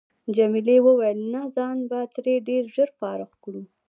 جميلې وويل: نه ځان به ترې ډېر ژر فارغ کړو.